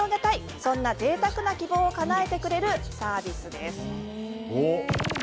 そんな、ぜいたくな希望をかなえてくれるサービスです。